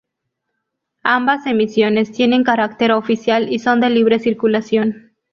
Ambas emisiones tienen carácter oficial y son de libre circulación.